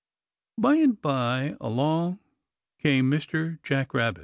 By and by along came Mr. Jack Rabbit.